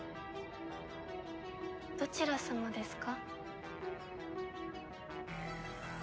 どちら様ですか？